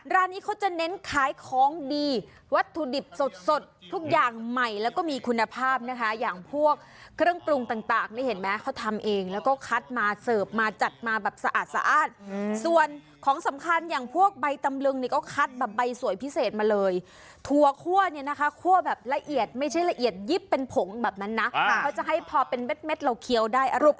ร้านนี้เขาจะเน้นขายของดีวัตถุดิบสดทุกอย่างใหม่แล้วก็มีคุณภาพนะคะอย่างพวกเครื่องปรุงต่างนี่เห็นไหมเขาทำเองแล้วก็คัดมาเสิร์ฟมาจัดมาแบบสะอาดสะอ้านส่วนของสำคัญอย่างพวกใบตำลึงนี่ก็คัดแบบใบสวยพิเศษมาเลยถั่วคั่วเนี่ยนะคะคั่วแบบละเอียดไม่ใช่ละเอียดยิบเป็นผงแบบนั้นนะเขาจะให้พอเป็นเม็ดเราเคี้ยวได้อรุป